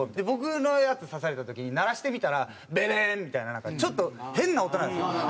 僕のやつさされた時に鳴らしてみたらブルンみたいなちょっと変な音なんですよ。